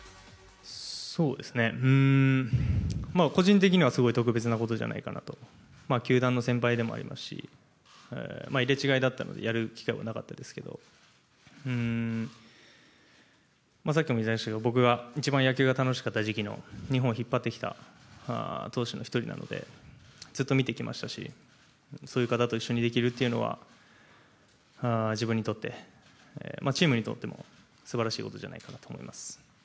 そうですね、個人的にはすごい特別なことじゃないかなと思いますし、球団の先輩でもありますし、入れ違いだったので、やる機会はなかったですけど、さっきも言いましたけど、僕が一番野球が楽しかった時期の日本を引っ張ってきた投手の一人なんで、ずっと見てきましたし、そういう方と一緒にできるっていうのは、自分にとって、チームにとってもすばらしいことじゃないかと思います。